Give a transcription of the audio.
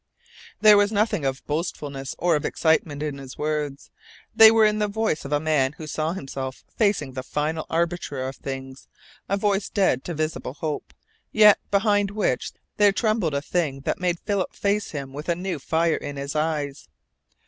There was nothing of boastfulness or of excitement in his words. They were in the voice of a man who saw himself facing the final arbiter of things a voice dead to visible hope, yet behind which there trembled a thing that made Philip face him with a new fire in his eyes.